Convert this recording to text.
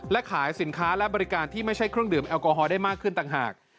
และขายสินค้าและบริการที่ไม่ใช่เครื่องดื่มแอลกอฮอลได้มากขึ้นต่างหาก